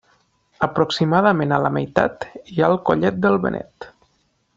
Aproximadament a la meitat hi ha el Collet del Benet.